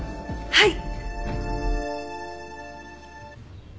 はい！